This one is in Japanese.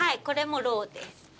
これもろうです。